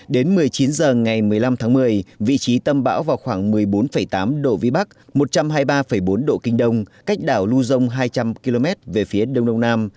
đến một mươi chín h ngày một mươi năm tháng một mươi vị trí tâm bão vào khoảng một mươi bốn tám độ vĩ bắc một trăm hai mươi ba bốn độ kinh đông cách đảo luzon hai trăm linh km về phía đông đông nam